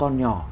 có con nhỏ